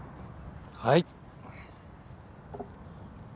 はい。